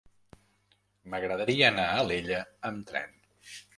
M'agradaria anar a Alella amb tren.